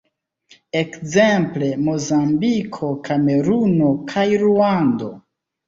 Ekzemple, Mozambiko, Kameruno kaj Ruando.